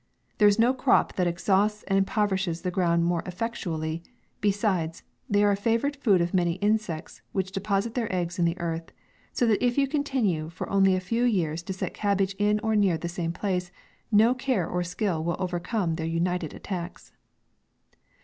There is no crop that exhausts and impoverishes ground more effectually ; besides, they are the favourite food of many insects, which deposite their eggs in the earth, so that if you continue for only a few years to set cabbage in or near the same place, no care or skill will overcome their united attacks.